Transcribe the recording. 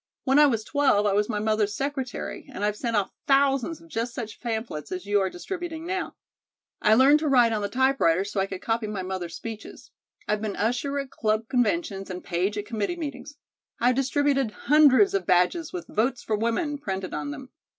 When I was twelve, I was my mother's secretary, and I've sent off thousands of just such pamphlets as you are distributing now. I learned to write on the typewriter so I could copy my mother's speeches. I've been usher at club conventions and page at committee meetings. I've distributed hundreds of badges with 'Votes for Women' printed on them.